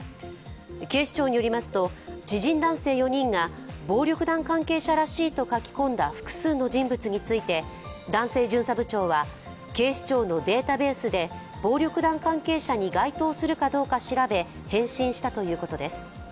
警視庁によりますと、知人男性４人が暴力団関係者らしいと書き込んだ複数の人物について、男性巡査部長は、警視庁のデータベースで暴力団関係者に該当するかどうか調べ、返信したということです。